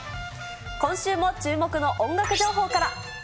今週も注目の音楽情報から。